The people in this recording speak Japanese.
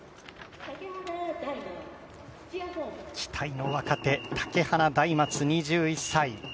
期待の若手・竹花大松２１歳。